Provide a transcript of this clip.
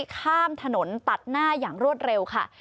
ข้ามถนนตัดหน้าอย่างรวดเร็วค่ะ